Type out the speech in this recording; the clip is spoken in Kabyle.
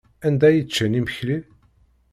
Anda ay ččan imekli?